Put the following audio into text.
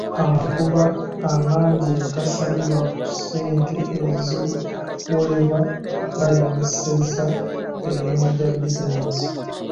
Amagoba amangi agasabibwa ku ssente eziwolebwa galemesezza emirimu gya bizinensi.